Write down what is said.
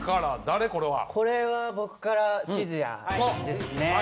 これは僕から閑也ですね。